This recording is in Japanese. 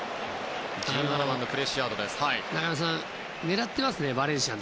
１７番のプレシアードでした。